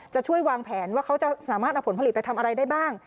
จะช่วยวางแผนว่าเขาจะสามารถเอาผลผลิตไปทำอะไรได้บ้าง